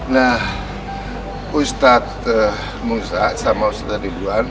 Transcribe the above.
nah ustadz muza sama ustadz ridwan